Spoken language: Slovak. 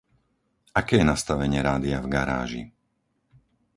Aké je nastavenie rádia v garáži?